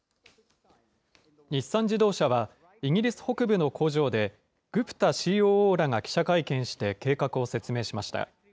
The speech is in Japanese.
日産自動車はイギリス北部の工場で、グプタＣＯＯらが記者会見して計画を説明しました。